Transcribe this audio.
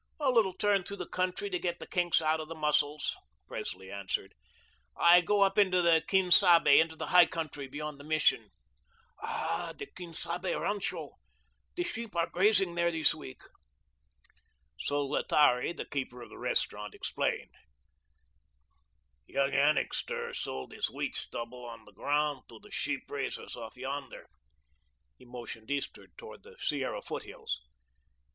"A little turn through the country, to get the kinks out of the muscles," Presley answered. "I go up into the Quien Sabe, into the high country beyond the Mission." "Ah, the Quien Sabe rancho. The sheep are grazing there this week." Solotari, the keeper of the restaurant, explained: "Young Annixter sold his wheat stubble on the ground to the sheep raisers off yonder;" he motioned eastward toward the Sierra foothills.